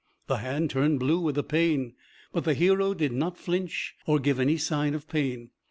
The hand turned blue with the pain, but the hero did not flinch or give any sign of pain.